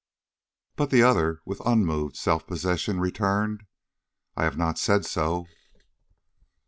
But the other, with unmoved self possession, returned: "I have not said so."